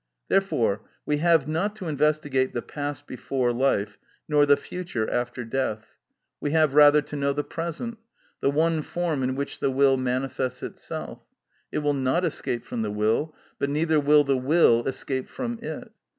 Therefore we have not to investigate the past before life, nor the future after death: we have rather to know the present, the one form in which the will manifests itself.(65) It will not escape from the will, but neither will the will escape from it.